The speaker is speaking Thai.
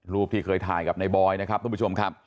รูปที่เคยถ่ายกับในบอยนะครับทุกผู้ชมครับ